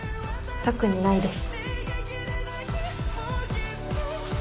特にないです。